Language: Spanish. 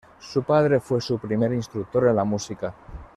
Su padre fue su primer instructor en la música.